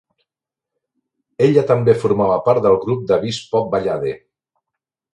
Ella també formava part del grup de vispop Ballade!